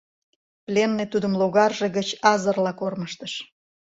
Пленный тудым логарже гыч азырла кормыжтыш.